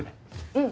うん。